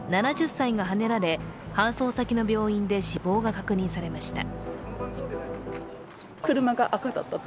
７０歳がはねられ、搬送先の病院で死亡が確認されました。